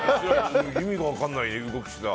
意味が分かんない動きしてた。